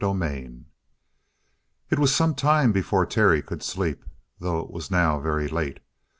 CHAPTER 27 It was some time before Terry could sleep, though it was now very late.